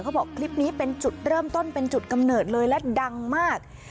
บอกคลิปนี้เป็นจุดเริ่มต้นเป็นจุดกำเนิดเลยและดังมาก